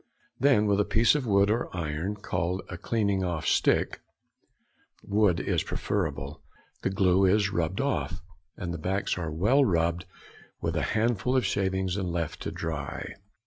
Then with a piece of wood or iron, called a cleaning off stick (wood is preferable), the glue is rubbed off, and the backs are well rubbed with a handful of shavings and left to dry.